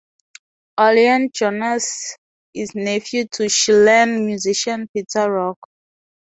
Alain Johannes is nephew of Chilean musician Peter Rock.